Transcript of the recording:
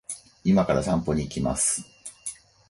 今から散歩に行きます